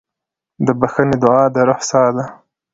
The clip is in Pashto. د بښنې دعا د روح ساه ده.